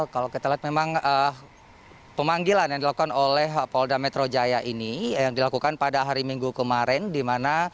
kalau kita lihat memang pemanggilan yang dilakukan oleh polda metro jaya ini yang dilakukan pada hari minggu kemarin